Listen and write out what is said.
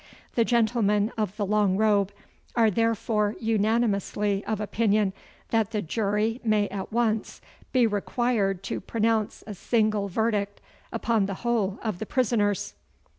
The gentlemen of the long robe are therefore unanimously of opinion that the jury may at once be required to pronounce a single verdict upon the whole of the prisoners.